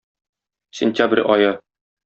Сентябрь ае.